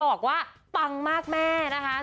บอกว่าปังมากแม่เนี้ยถ้าฮะ